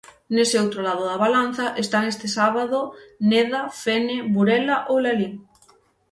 Nese outro lado da balanza están este sábado Neda, Fene, Burela ou Lalín.